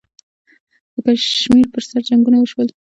د کشمیر پر سر جنګونه وشول.